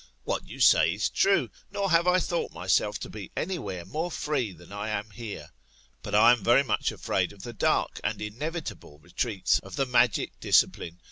What you say is true, nor have I thought myself to be any where more free than I am here. But I am very much afraid of the dark and inevitable retreats CSOLDElt ASS, Of Ai^UtEtUS. — dOOk it. J) of the magic discipline.